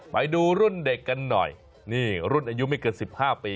ไปดูรุ่นเด็กกันหน่อยนี่รุ่นอายุไม่เกิน๑๕ปี